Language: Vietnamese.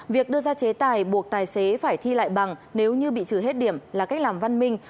việc đưa ra chế tài buộc tài xế phải thi lại bằng nếu như bị trừ hết điểm là cách làm văn minh